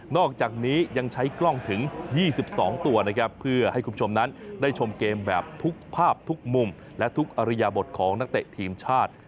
อกจากนี้ยังใช้กล้องถึง๒๒ตัวนะครับเพื่อให้คุณผู้ชมนั้นได้ชมเกมแบบทุกภาพทุกมุมและทุกอริยบทของนักเตะทีมชาติ